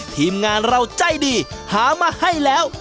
ทีมงานเราใจดีหามาให้แล้ว